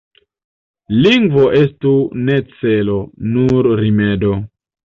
Lingvo estu ne celo, nur rimedo.